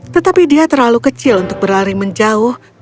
tetapi dia terlalu kecil untuk berlari menjauh